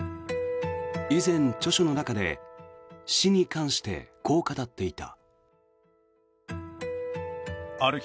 以前、著書の中で死に関してこう語っていた。